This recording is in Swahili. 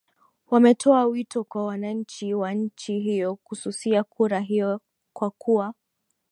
wametoa wito kwa wananchi wa nchi hiyo kususia kura hiyo kwa kuwa